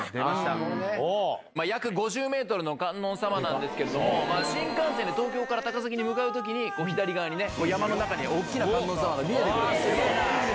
約５０ｍの観音様なんですけども新幹線で東京から高崎に向かう時に左側に山の中に大きな観音様が見えて来るんです。